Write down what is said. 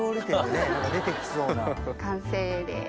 完成です。